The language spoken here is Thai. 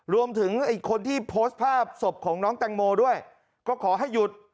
รวมถึงคนที่โพสต์ภาพศพของน้องแตงโมด้วยก็ขอให้หยุด